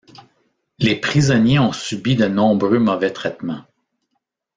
Les prisonniers ont subi de nombreux mauvais traitements.